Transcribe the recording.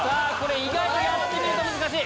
意外とやってみると難しい。